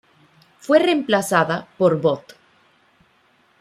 Fue reemplazada por "Bot.